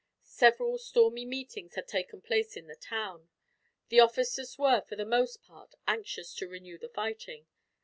Several stormy meetings had taken place in the town. The officers were, for the most part, anxious to renew the fighting.